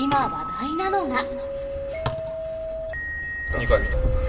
２回見た。